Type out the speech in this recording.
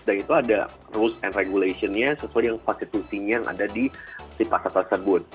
dan itu ada rules and regulation nya sesuai dengan konstitusinya yang ada di pasar tersebut